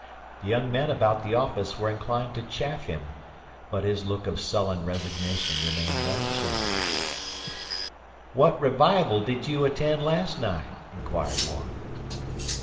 The young men about the office were inclined to chaff him, but his look of sullen resignation remained unchanged. "What revival did you attend last night?" inquired one.